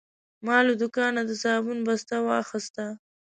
ما له دوکانه د صابون بسته واخیسته.